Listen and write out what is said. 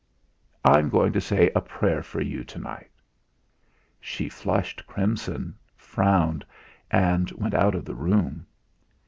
"I'm going to say a prayer for you to night!" She flushed crimson, frowned, and went out of the room.